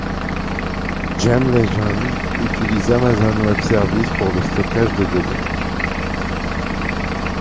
JamLegend utilise Amazon Web Services pour le stockage de données.